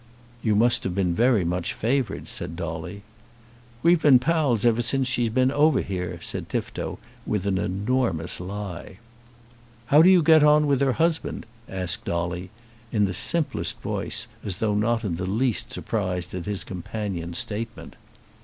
"You must have been very much favoured," said Dolly. "We've been pals ever since she has been over here," said Tifto, with an enormous lie. "How do you get on with her husband?" asked Dolly, in the simplest voice, as though not in the least surprised at his companion's statement.